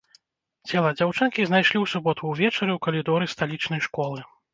Цела дзяўчынкі знайшлі ў суботу ўвечары ў калідоры сталічнай школы.